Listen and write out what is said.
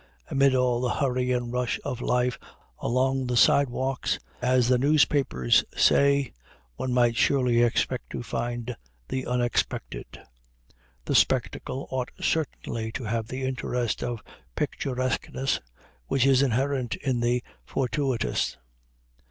Amid all "the hurry and rush of life along the sidewalks," as the newspapers say, one might surely expect to find the unexpected. The spectacle ought certainly to have the interest of picturesqueness which is inherent in the fortuitous.